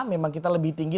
memang kita lebih tinggi